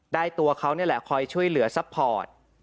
ตัวเขานี่แหละคอยช่วยเหลือซัพพอร์ต